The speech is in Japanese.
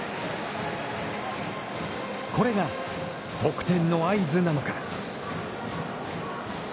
これが得点の合図なのか。